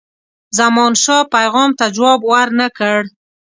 زمانشاه پیغام ته جواب ورنه کړ.